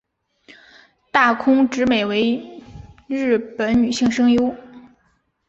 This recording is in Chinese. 大空直美为日本女性声优。